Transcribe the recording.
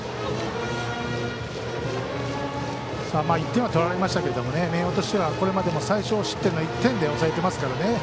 １点は取られましたけど明豊としてはこれまでも最少失点の１点で抑えてますからね